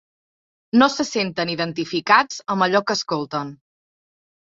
No se senten identificats amb allò que escolten.